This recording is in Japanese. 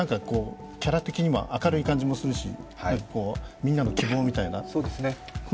キャラ的にも明るい感じもするしみんなの希望みたいな。